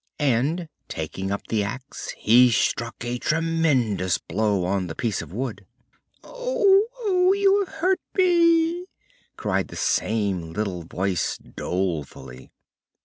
And, taking up the axe, he struck a tremendous blow on the piece of wood. "Oh! oh! you have hurt me!" cried the same little voice dolefully.